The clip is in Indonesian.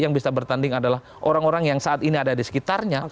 yang bisa bertanding adalah orang orang yang saat ini ada di sekitarnya